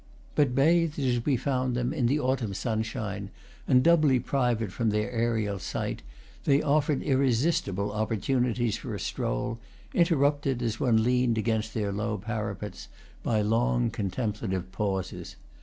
But bathed, as we found them, in the autumn sunshine, and doubly private from their aerial site, they offered irresistible opportunities for a stroll, interrupted, as one leaned against their low parapets, by long, con templative pauses.